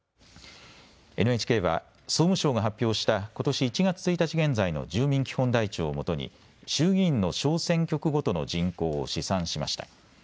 ＮＨＫは総務省が発表したことし１月１日現在の住民基本台帳をもとに衆議院の小選挙区ごとの人口を試算しました。